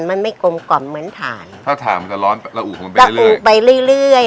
มันไม่กลมกล่อมเหมือนถ่านถ้าถ่านมันจะร้อนแล้วอุ่นมันไปเรื่อยเรื่อย